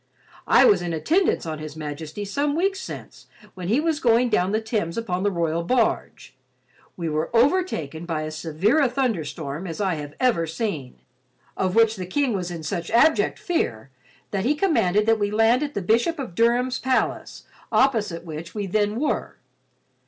I was in attendance on his majesty some weeks since when he was going down the Thames upon the royal barge. We were overtaken by as severe a thunder storm as I have ever seen, of which the King was in such abject fear that he commanded that we land at the Bishop of Durham's palace opposite which we then were.